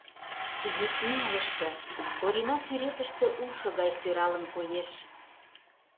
Йӱд ӱмылыштӧ Орина сӱретыште улшо гай сӧралын коеш.